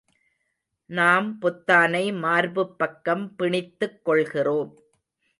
நாம் பொத்தானை மார்புப் பக்கம் பிணித்துக் கொள்கிறோம்.